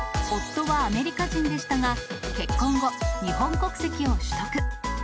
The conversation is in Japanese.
夫はアメリカ人でしたが、結婚後、日本国籍を取得。